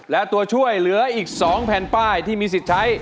และตัวช่วยเหลืออีก๒แผ่นป้ายที่มีสิทธิ์ใช้